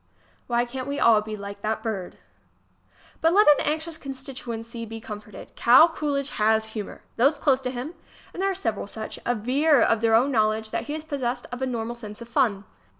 Why cant we all be like that bird! But let an anxious constituency be comforted : Cal Coolidge has humor! Those close to him ŌĆö and there are several such ŌĆö aver of their own knowledge that he is possessed of a normal sense of fun.